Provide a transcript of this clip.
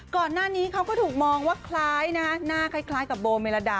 ก่อนหน้านี้เขาก็ถูกมองว่าคล้ายนะฮะหน้าคล้ายกับโบเมลดา